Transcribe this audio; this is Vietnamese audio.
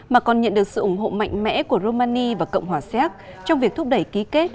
mà còn nhận được sự ủng hộ mạnh mẽ của romani và cộng hòa xéc trong việc thúc đẩy ký kết